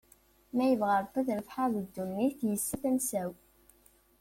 Ma yebɣa Rebbi ad rebḥeɣ deg ddunit, yessen tansa-w.